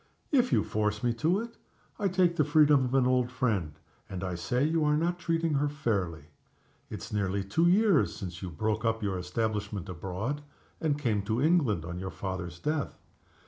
"If you force me to it, I take the freedom of an old friend, and I say you are not treating her fairly. It's nearly two years since you broke up your establishment abroad, and came to England on your father's death.